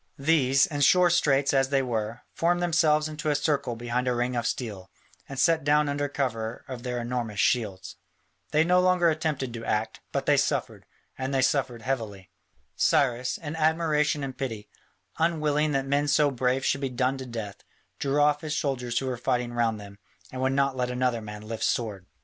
These, in sore straits as they were, formed themselves into a circle behind a ring of steel, and sat down under cover of their enormous shields. They no longer attempted to act, but they suffered, and suffered heavily. Cyrus, in admiration and pity, unwilling that men so brave should be done to death, drew off his soldiers who were fighting round them, and would not let another man lift sword.